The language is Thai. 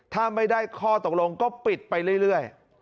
ถ้าไม่ได้ข้อตกลงก็ปิดไปเรื่อย